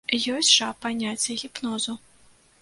Ёсць жа паняцце гіпнозу.